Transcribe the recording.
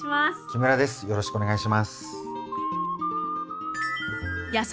よろしくお願いします。